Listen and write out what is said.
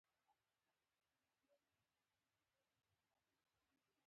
هغه دا د خپل کیبورډ په سر پرانیستله